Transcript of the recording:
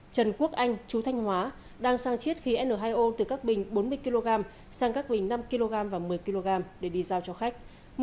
trần quốc anh chú thanh hóa đang sang chiết khí n hai o từ các bình bốn mươi kg sang các bình năm kg và một mươi kg để đi giao cho khách